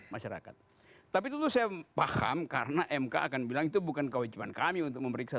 masyarakat tapi tentu saya paham karena mk akan bilang itu bukan kewajiban kami untuk memeriksa